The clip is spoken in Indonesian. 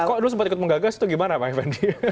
kok lo sempat menggagasnya gimana pak effendi